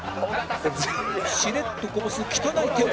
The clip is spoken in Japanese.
しれっとこぼす汚い手を